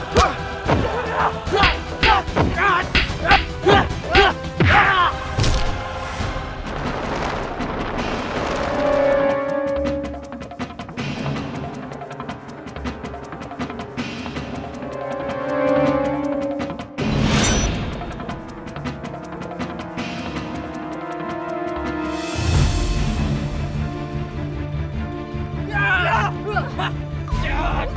tidak ada peruntuk takiej